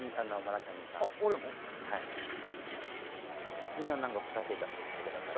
好きなふた桁押してください。